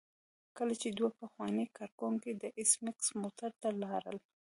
کله چې دوه پخواني کارکوونکي د ایس میکس موټر ته لاړل